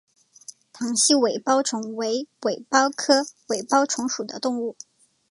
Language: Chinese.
塘栖尾孢虫为尾孢科尾孢虫属的动物。